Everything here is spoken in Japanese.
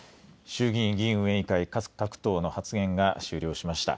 衆議院議院運営委員会、各党の発言が終了しました。